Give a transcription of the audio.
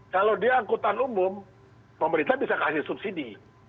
kalau dia angkutan umum pemerintah bisa kasih subsidi